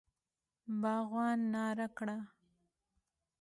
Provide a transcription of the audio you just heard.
باغوان ناره کړه!